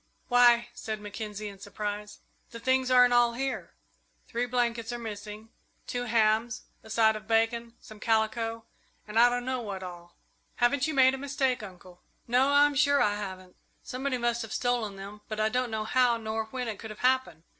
"Why," said Mackenzie, in surprise, "the things aren't all here. Three blankets are missing, two hams, a side of bacon, some calico, and I don't know what all." "Haven't you made a mistake, Uncle?" "No, I'm sure I haven't. Somebody must have stolen them, but I don't know how nor when it could have happened.